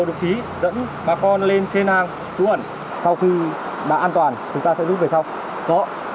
giúp đỡ bà con sơ tán đến nơi an toàn nhất